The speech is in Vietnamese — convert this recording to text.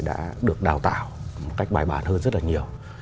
đã được đào tạo một cách bài bản hơn rất là nhiều